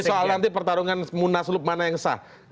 ini soal nanti pertarungan munas lut mana yang sah